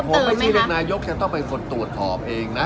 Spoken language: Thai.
ผมไม่ใช่เป็นนายกจะต้องเป็นคนตรวจสอบเองนะ